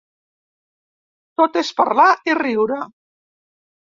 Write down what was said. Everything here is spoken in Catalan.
Tot és parlar i riure.